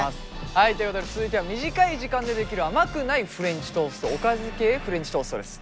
はいということで続いては短い時間でできる甘くないフレンチトーストおかず系フレンチトーストです。